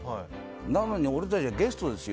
なのに、俺たちはゲストですよ。